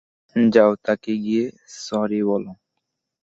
যাও তাকে গিয়ে সরি বলো।